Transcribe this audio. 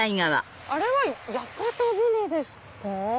あれは屋形船ですか？